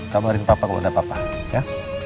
kabarin papa kepada papa ya